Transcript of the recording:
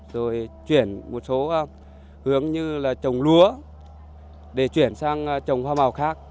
rồi chuyển một số hướng như là trồng lúa để chuyển sang trồng hoa màu khác